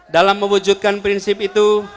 dalam mewujudkan prinsip itu